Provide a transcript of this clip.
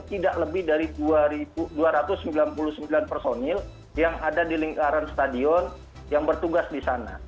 tidak lebih dari dua ratus sembilan puluh sembilan personil yang ada di lingkaran stadion yang bertugas di sana